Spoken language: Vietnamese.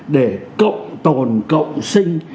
để cộng tồn cộng sinh